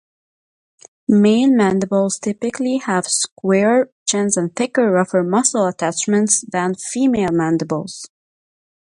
Male mandibles typically have squarer chins and thicker, rougher muscle attachments than female mandibles.